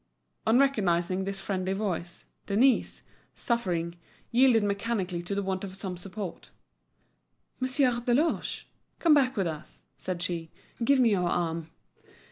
On recognising this friendly voice, Denise, suffering, yielded mechanically to the want of some support. "Monsieur Deloche, come back with us," said she. "Give me your arm."